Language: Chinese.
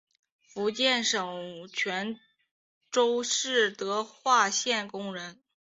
福建省泉州市德化县工人。